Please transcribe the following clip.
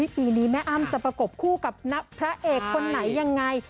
ปีนี้แม่อ้ำจะประกบคู่กับพระเอกคนไหนยังไง